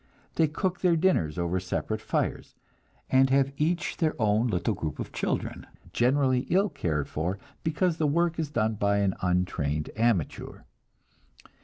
They cook their dinners over separate fires, and have each their own little group of children, generally ill cared for, because the work is done by an untrained amateur.